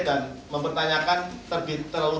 dan mempertanyakan terlalu